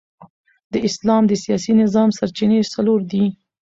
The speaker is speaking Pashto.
د اسلام د سیاسي نظام سرچینې څلور دي.